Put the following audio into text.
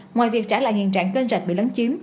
ngoài việc trả lại hiện trạng cân rạch bị lớn chiếm